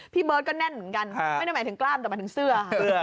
เบิร์ตก็แน่นเหมือนกันไม่ได้หมายถึงกล้ามแต่หมายถึงเสื้อ